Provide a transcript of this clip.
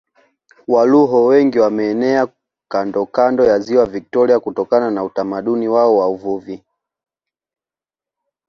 Waluo wengi wameenea kandokando ya Ziwa Viktoria kutokana na utamaduni wao wa uvuvi